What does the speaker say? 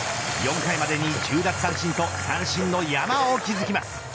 ４回までに１０奪三振と三振の山を築きます。